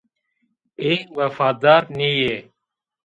Ê wefadar nîyê